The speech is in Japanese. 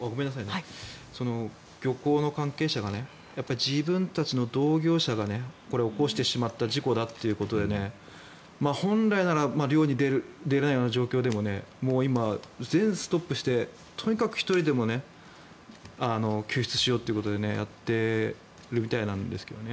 漁港の関係者がやっぱり自分たちの同業者が起こしてしまった事故だということで本来なら漁に出ないような状況でも今、全部ストップしてとにかく１人でも救出しようということでやっているみたいなんですけどね